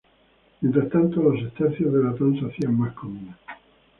Mientras tanto los sestercios de latón se hacían más comunes.